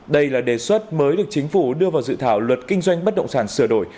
đây là đề xuất mới được chính phủ đưa vào dự thảo luật kinh doanh bất động sản sửa đổi